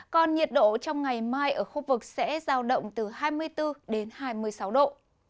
còn nhiệt độ trong ngày mai ở khu vực sẽ giao động từ hai mươi bốn đến hai mươi sáu độ